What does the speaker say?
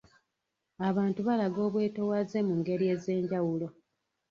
Abantu balaga obwetowaze mu ngeri ez'enjawulo